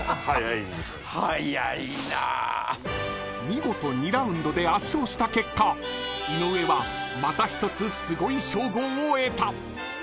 ［見事２ラウンドで圧勝した結果井上はまた一つすごい称号を得た］